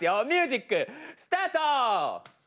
ミュージックスタート！